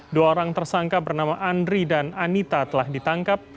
dua orang tersangka bernama andri dan anita telah ditangkap